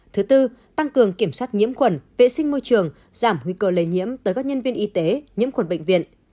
thứ tư tăng cường kiểm soát nhiễm khuẩn vệ sinh môi trường giảm nguy cơ lây nhiễm tới các nhân viên y tế nhiễm khuẩn bệnh viện